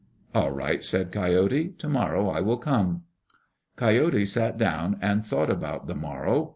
"All right," said Coyote. "To morrow I will come." Coyote sat down and thought about the morrow.